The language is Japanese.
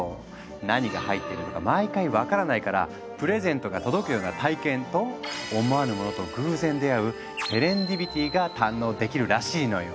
何が入ってるのか毎回分からないから「プレゼントが届くような体験」と「思わぬものと偶然出会うセレンディピティ」が堪能できるらしいのよ。